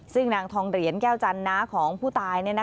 ซึ่งนางทองเหรียญแก้วจันน้าของผู้ตาย